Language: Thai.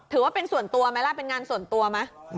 ถือว่าเป็นงานส่วนตัวไหม